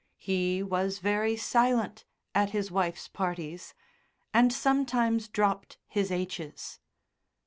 He was very silent at his wife's parties, and sometimes dropped his h's.